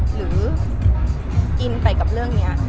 หรือกินไปกับเรื่องนี้